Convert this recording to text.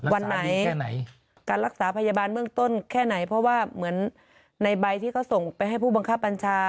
วันไหนการรักษาพยาบาลเบื้องต้นแค่ไหนเพราะว่าเหมือนในใบที่เขาส่งไปให้ผู้บังคับบัญชา